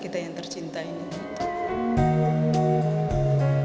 kita yang tercinta ini